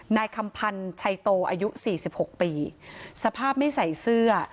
นายคำพันธ์ชัยโตอายุสี่สิบหกปีสภาพไม่ใส่เสื้อ